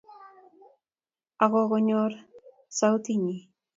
ak kokinyor sautit nyi